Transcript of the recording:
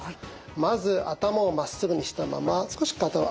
まず頭をまっすぐにしたまま少し足を開きますね。